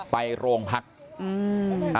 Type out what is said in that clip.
ไปโรงพักษ์